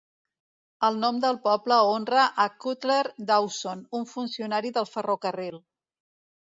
El nom del poble honra a Cutler Dawson, un funcionari del ferrocarril.